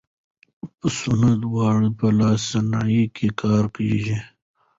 د پسونو وړۍ په لاسي صنایعو کې کارول کېږي.